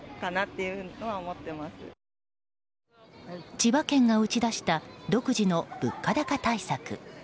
千葉県が打ち出した独自の物価高対策。